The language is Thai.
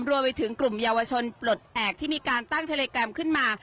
รวมไปถึงกลุ่มเยาวชนปลดแอบที่มีการตั้งทะเลแกรมขึ้นมา